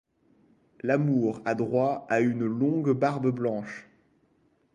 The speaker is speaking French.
L'amour a droit à une longue barbe blanche.